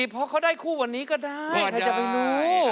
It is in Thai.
เพราะเขาได้คู่วันนี้ก็ได้ใครจะไปรู้